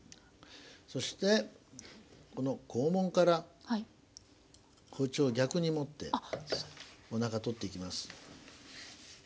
そしてこの肛門から包丁を逆に持っておなか取っていきます。